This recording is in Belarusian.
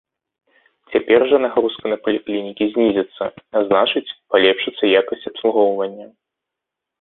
Цяпер жа нагрузка на паліклінікі знізіцца, а значыць, палепшыцца якасць абслугоўвання.